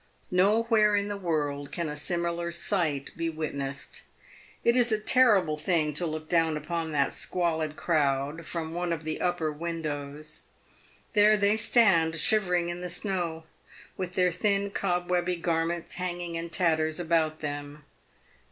Nowhere in the world can a similar sight be witnessed. It is a terrible thing to look down upon that squalid crowd from one of the upper windows. There they stand shivering in the snow, with their thin cobwebby garments hanging in tatters about them.